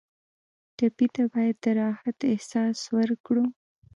ټپي ته باید د راحت احساس ورکړو.